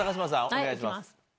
お願いします。